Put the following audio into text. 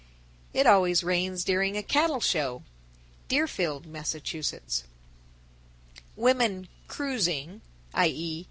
It always rains during a cattle show. Deerfield, Mass. 961. Women "cruising," _i.e.